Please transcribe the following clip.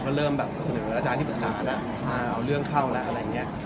เขาเริ่มแบบเสนออาจารย์ที่ปรึกษาแล้วเอาเรื่องเข้าแล้วอะไรอย่างนี้